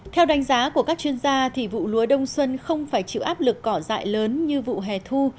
theo đánh giá của các chuyên gia vụ lúa đông xuân không phải chịu áp lực cỏ dại lớn như vụ hè thu